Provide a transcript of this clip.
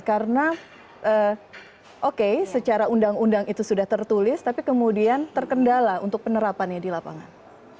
karena oke secara undang undang itu sudah tertulis tapi kemudian terkendala untuk penerapannya di lapangan